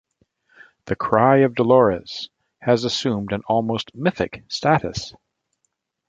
The "Cry of Dolores", has assumed an almost mythic status.